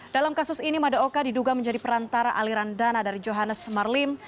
dalam kasus ini madaoka diduga menjadi perantara aliran dana dari johannes marlim